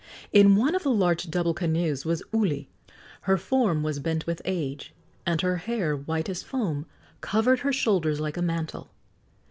In one of the large double canoes was Uli. Her form was bent with age, and her hair, white as foam, covered her shoulders like a mantle.